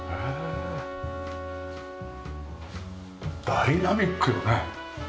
ダイナミックよね。